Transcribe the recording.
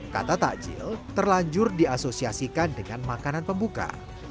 kata takjil terlanjur diasosiasikan dengan makanan pembuka